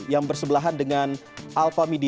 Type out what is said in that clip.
yang bersebelahan dengan alphamidi